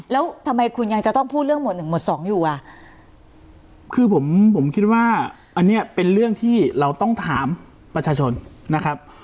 แล้วทำไมคุณยังจะต้องพูดเรื่องหมวดหนึ่งหมวดสองอยู่อ่ะคือผมผมคิดว่าอันนี้เป็นเรื่องที่เราต้องถามประชาชนนะครับ